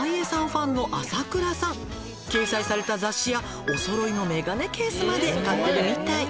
ファンの朝倉さん」「掲載された雑誌やお揃いの眼鏡ケースまで買ってるみたい」